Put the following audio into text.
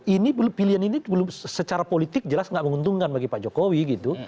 ini pilihan ini secara politik jelas tidak menguntungkan bagi pak jokowi gitu